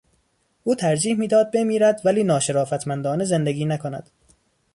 او ترجیح میداد بمیرد ولی ناشرافتمندانه زندگی نکند.